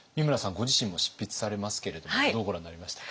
ご自身も執筆されますけれどもどうご覧になりましたか？